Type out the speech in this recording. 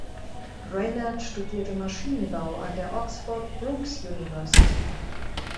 Reynard studierte Maschinenbau an der Oxford Brookes University.